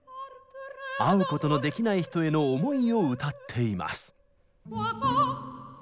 会うことのできない人への思いを歌っています。